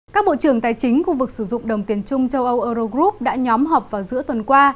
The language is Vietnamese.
các bộ trưởng tài chính khu vực sử dụng đồng tiền chung châu âu euro group đã nhóm họp vào giữa tuần qua